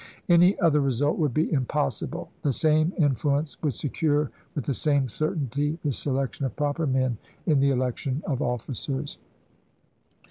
Any other result would be impossible. The same influence would secure with the same certainty the selection of proper men in the election of officers.